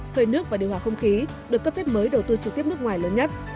khơi nước và điều hòa không khí được cấp phép mới đầu tư trực tiếp nước ngoài lớn nhất